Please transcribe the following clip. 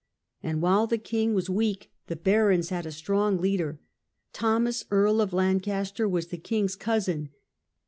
And while the king was weak the barons had a strong leader. Thomas, Earl of Lancaster, was the king's cousin.